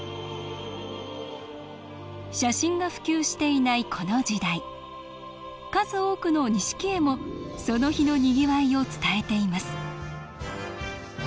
写真が普及していないこの時代数多くの錦絵もその日のにぎわいを伝えています